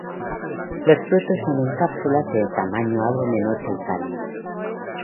Los frutos son en cápsulas de tamaño algo menor que el cáliz.